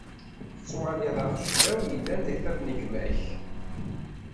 Tettwaliḍ axeclaw yellan di tiṭ n gma-k.